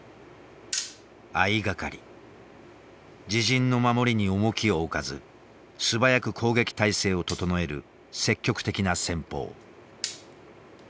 自陣の守りに重きを置かず素早く攻撃態勢を整える積極的な戦法。